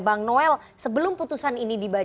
bang noel sebelum putusan ini dibaca